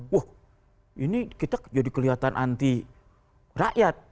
wah ini kita jadi kelihatan anti rakyat